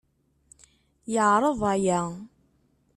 Yeɛreḍ aya.